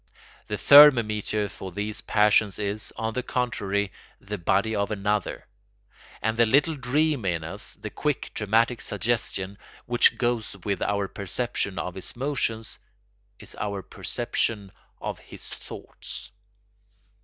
The thermometer for these passions is, on the contrary, the body of another; and the little dream in us, the quick dramatic suggestion which goes with our perception of his motions, is our perception of his thoughts.